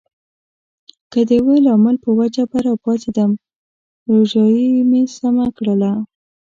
که د یوه لامل په وجه به راپاڅېدم، روژایې مې سمه کړله.